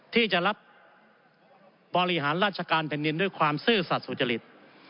ที่จะรับบริหารราชการแผ่นดินด้วยความซื่อสัตว์สุจริต